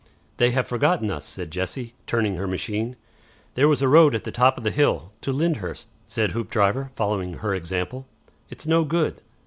"They have forgotten us," said Jessie, turning her machine. "There was a road at the top of the hill to Lyndhurst," said Hoopdriver, following her example. "It's no good.